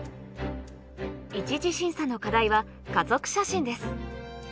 一次審査の課題は家族写真で